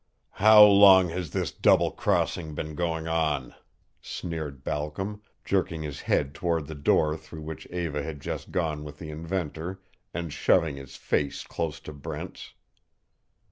"How long has this double crossing been going on?" sneered Balcom, jerking his head toward the door through which Eva had just gone with the inventor, and shoving his face close to Brent's.